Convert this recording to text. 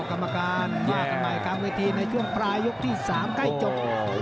กรรมการว่ากันใหม่กลางเวทีในช่วงปลายยกที่๓ใกล้จบ